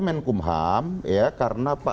menkumham karena pak